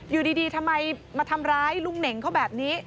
อยู่ดีทำไมมาทำร้ายลุงเหน่งเขาแบบนี้